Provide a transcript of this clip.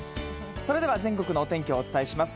それでは全国のお天気をお伝えします。